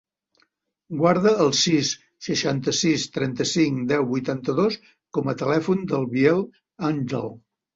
Guarda el sis, seixanta-sis, trenta-cinc, deu, vuitanta-dos com a telèfon del Biel Anghel.